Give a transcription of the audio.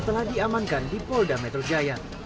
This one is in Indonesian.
telah diamankan di polda metro jaya